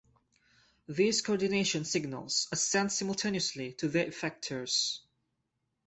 These coordination signals are sent simultaneously to their effectors.